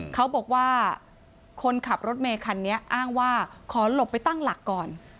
เขาบอกว่าคนขับรถเมย์คันนี้อ้างว่าขอหลบไปตั้งหลักก่อน